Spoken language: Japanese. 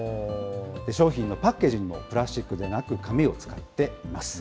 商品のパッケージにもプラスチックでなく紙を使っています。